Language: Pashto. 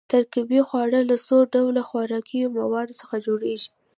ترکیبي خواړه له څو ډوله خوراکي موادو څخه جوړیږي.